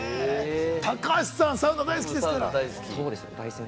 高橋さん、サウナ大好きですから。